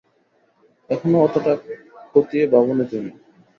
এখনো অতোটা খতিয়ে ভাবোনি তুমি।